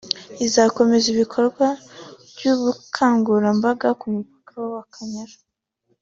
izakomereza ibikorwa by’ubukangurambaga ku mupaka w’Akanyaru